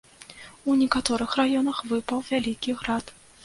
У некаторых раёнах выпаў вялікі град.